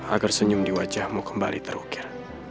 agar senyum di wajahmu kembali terukir